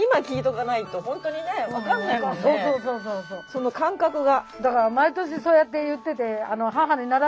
その感覚が。